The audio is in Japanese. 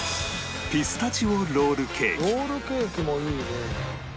ロールケーキもいいね。